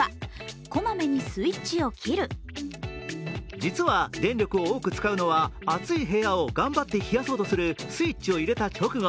実は電力を多く使うのは暑い部屋を頑張って冷やそうとするスイッチを入れた直後。